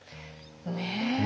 ねえ。